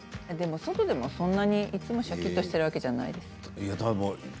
外でもそんなにシャキッとしているわけではないです。